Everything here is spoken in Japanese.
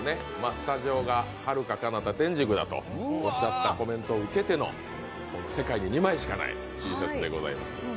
スタジオが遙かかなた天竺だと言ったコメントの世界で２枚しかないＴシャツでございます。